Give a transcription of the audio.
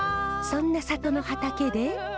そんな里の畑で。